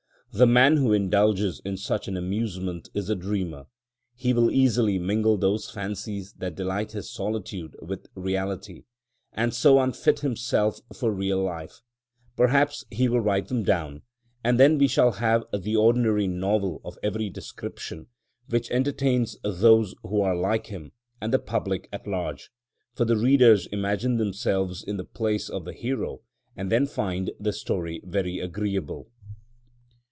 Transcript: The man who indulges in such an amusement is a dreamer; he will easily mingle those fancies that delight his solitude with reality, and so unfit himself for real life: perhaps he will write them down, and then we shall have the ordinary novel of every description, which entertains those who are like him and the public at large, for the readers imagine themselves in the place of the hero, and then find the story very agreeable.